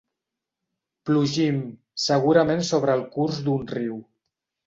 Plugim, segurament sobre el curs d'un riu.